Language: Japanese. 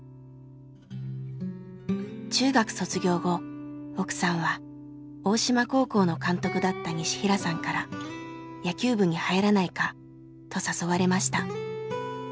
中学卒業後奥さんは大島高校の監督だった西平さんから野球部に入らないかと誘われました。